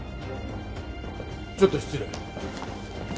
ちょっと失礼。